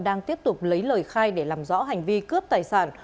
đang tiếp tục lấy lời khai để làm rõ hành vi cướp tài sản